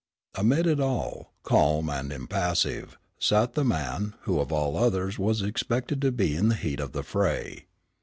Amid it all, calm and impassive, sat the man, who of all others was expected to be in the heat of the fray.